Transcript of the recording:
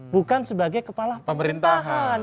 bukan sebagai kepala pemerintahan